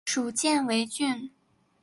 属犍为郡。